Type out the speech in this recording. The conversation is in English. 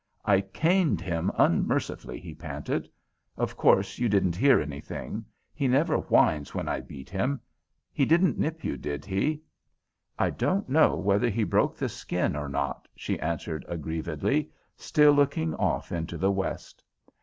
"I caned him unmercifully," he panted. "Of course you didn't hear anything; he never whines when I beat him. He didn't nip you, did he?" "I don't know whether he broke the skin or not," she answered aggrievedly, still looking off into the west.